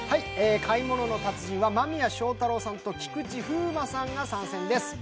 「買い物の達人」は間宮祥太朗さんと菊池風磨さんが参戦です。